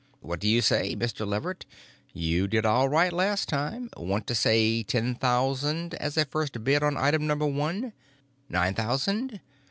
What do you say, Mr. Leverett? You did all right last time—want to say ten thousand as a first big bid on Item Number One? Nine thousand?